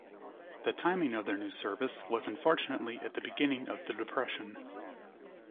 The timing of their new service was unfortunately at the beginning of the depression.